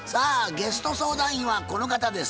ゲスト相談員はこの方です。